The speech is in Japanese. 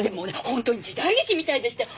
本当に時代劇みたいでしたよ。